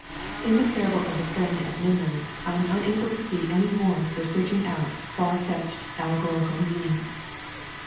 In the parable of the Friend at midnight I am unable to see any warrant for searching out far fetched alle gorical meanings.